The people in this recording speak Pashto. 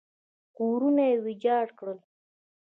کورونه یې ویجاړ کړل.